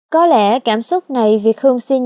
có lẽ cảm xúc này việt hương xin